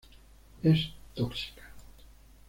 Es tóxica.